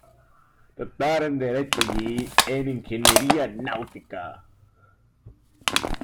Doctor en Derecho y en Ingeniería Náutica.